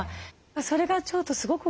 それがちょっとすごくうれしい。